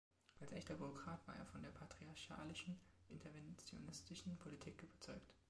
Als echter Bürokrat war er von der patriarchalischen, interventionistischen Politik überzeugt.